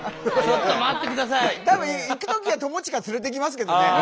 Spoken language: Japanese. たぶん行くときは友近連れて行きますけどね。